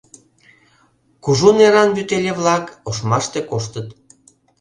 Кужу неран вӱтеле-влак ошмаште коштыт.